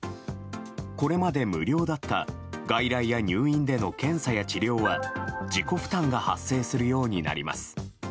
これまで無料だった外来や入院での検査や治療は自己負担が発生するようになります。